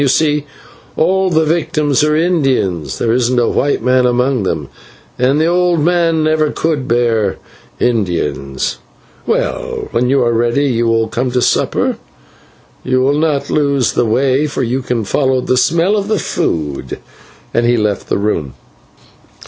You see all the victims are Indians, there isn't a white man among them, and the old man never could bear Indians. Well, when you are ready, will you come to supper? You will not lose the way, for you can follow the smell of the food," and he left the room.